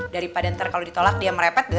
daripada ntar kalau ditolak dia merepet